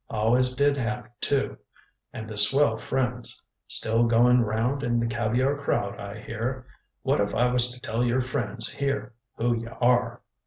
"Always did have, too. And the swell friends. Still going round in the caviar crowd, I hear. What if I was to tell your friends here who you are?"